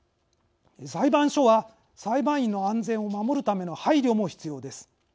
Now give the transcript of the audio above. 裁判所は裁判員の安全を守るための配慮も必要です。